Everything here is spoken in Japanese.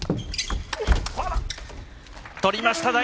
取りました！